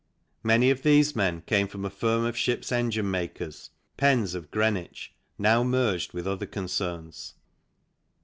Many of these men came from a firm of ships engine makers, Penn's, of Greenwich, now merged with other concerns.